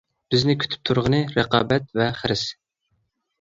بىزنى كۈتۈپ تۇرغىنى رىقابەت ۋە خىرىس.